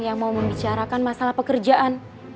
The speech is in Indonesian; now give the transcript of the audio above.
yang mau membicarakan masalah pekerjaan